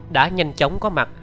đã nhanh chóng có mặt